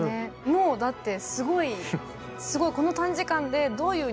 もうだってすごいすごいこの短時間でそうだよね。